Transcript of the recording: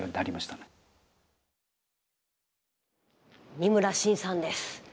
二村伸さんです。